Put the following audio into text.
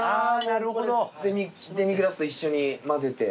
なるほどデミグラスと一緒に混ぜて。